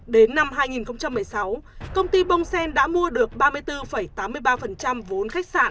đến năm hai nghìn một mươi sáu công ty bông sen đã mua được ba mươi bốn tám mươi ba vốn khách sạn